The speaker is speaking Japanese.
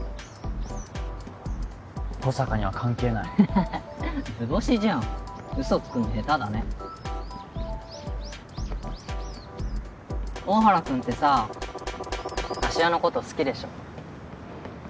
保坂には関係ない図星じゃんウソつくのヘタだね大原君ってさ芦屋のこと好きでしょ？